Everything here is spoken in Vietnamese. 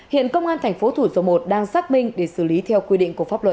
hiện công an thành phố thủ dộ một đang xác minh để xử lý theo quy định của pháp luật